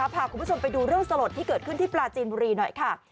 พาคุณผู้ชมไปดูเรื่องสลดที่เกิดขึ้นที่ปลาจีนบุรีหน่อยค่ะ